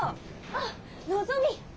あっのぞみ！